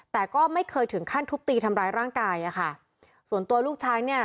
แต่ก็ไม่เคยถึงขั้นทุบตีทำร้ายร่างกายอ่ะค่ะส่วนตัวลูกชายเนี่ย